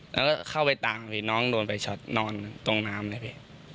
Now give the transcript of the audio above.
แล้วก็เข้าไปตามสิน้องโดนไฟช็อตนอนตรงน้ำเลยพี่